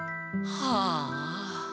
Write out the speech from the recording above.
はあ。